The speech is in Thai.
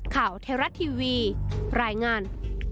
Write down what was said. ข่าวเทราะทีวีรายงาน